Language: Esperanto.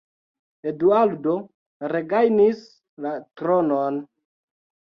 Eduardo regajnis la tronon.